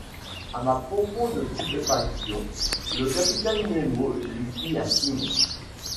À ma profonde stupéfaction, le capitaine Nemo lui fit un signe.